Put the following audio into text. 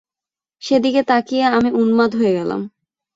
সেদিকে তাকিয়ে আমি উন্মাদ হয়ে গেলাম।